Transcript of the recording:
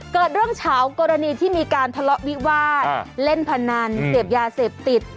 เกิดเรื่องเฉากรณีที่มีการทะเลาะวิวาสเล่นพนันเสพยาเสพติด